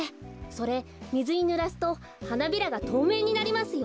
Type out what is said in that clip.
それみずにぬらすとはなびらがとうめいになりますよ。